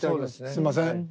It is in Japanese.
すんません。